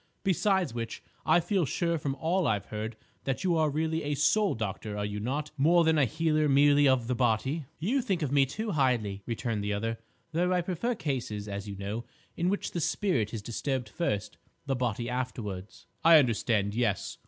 Besides which, I feel sure from all I've heard, that you are really a soul doctor, are you not, more than a healer merely of the body?" "You think of me too highly," returned the other; "though I prefer cases, as you know, in which the spirit is disturbed first, the body afterwards." "I understand, yes.